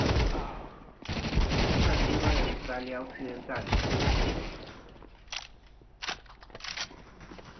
Es nativa de Australia Occidental.